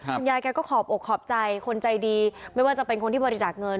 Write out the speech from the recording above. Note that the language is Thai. คุณยายแกก็ขอบอกขอบใจคนใจดีไม่ว่าจะเป็นคนที่บริจาคเงิน